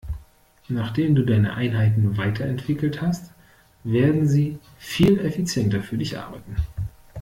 Nachdem du deine Einheiten weiterentwickelt hast, werden sie viel effizienter für dich arbeiten.